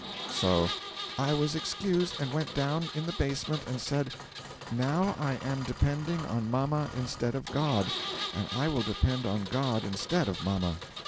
So 'I was excused, and went down in the basement and said, "Now I am depending on mamma instead of God, and I will depend on God instead of mamma."'